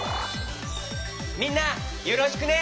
みんなよろしくね！